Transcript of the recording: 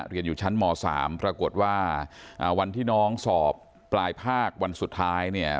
เรียนอยู่ชั้นม๓ปรากฏว่าวันที่น้องสอบปลายภาควันสุดท้ายเนี่ย